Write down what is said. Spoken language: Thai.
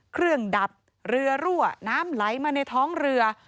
เครื่องดับเรือรั่วน้ำไหลมาในท้องเรือ